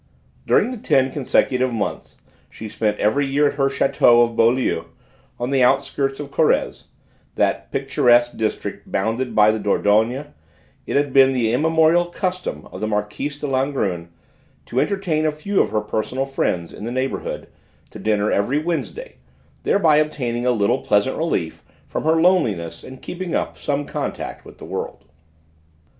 During the ten consecutive months she spent every year at her château of Beaulieu, on the outskirts of Corrèze, that picturesque district bounded by the Dordogne, it had been the immemorial custom of the Marquise de Langrune to entertain a few of her personal friends in the neighbourhood to dinner every Wednesday, thereby obtaining a little pleasant relief from her loneliness and keeping up some contact with the world.